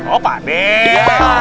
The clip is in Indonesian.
oh pak dek